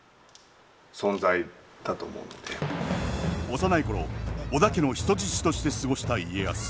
幼い頃織田家の人質として過ごした家康。